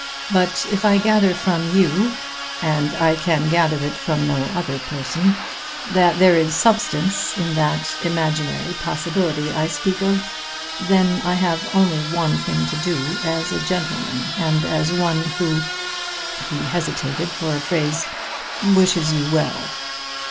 But if I gather from you and I can gather it from no other person that there is substance in that imaginary possibility I speak of, then I have only one thing to do as a gentleman and as one who" he hesitated for a phrase "wishes you well.